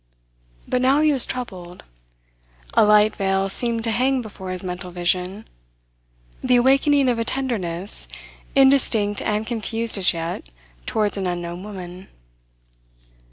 But now he was troubled; a light veil seemed to hang before his mental vision; the awakening of a tenderness, indistinct and confused as yet, towards an unknown woman.